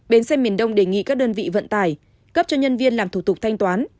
bến xe miền đông đề nghị các đơn vị vận tải cấp cho nhân viên làm thủ tục thanh toán